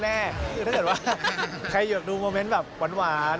ถ้าเกิดว่าใครอยากดูโมเมนต์แบบหวาน